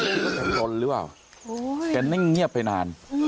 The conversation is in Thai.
นี่ก็แบบตนหรือว่าแกนิ่งเงียบไปนาน